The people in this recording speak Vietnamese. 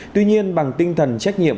tuy nhiên bằng tinh thần trách nhiệm